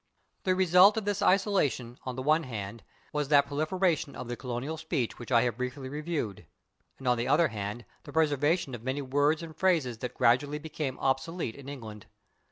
The result of this isolation, on the one hand, was that proliferation of the colonial speech which I have briefly reviewed, and on the other hand, the preservation of many words and phrases that gradually became obsolete in England.